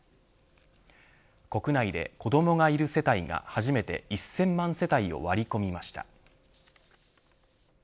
国内で、子どもがいる世帯が初めて１０００万世帯を割り込みました。